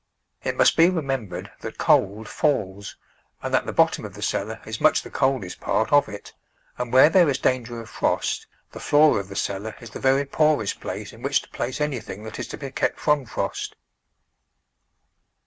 It must be remem bered that cold falls and that the bottom of the cellar is much the coldest part of it, and where there is danger of frost, the floor of the cellar is THE VEGETABLE GARDEN the very poorest place in which to place anything that is to be kept from frost.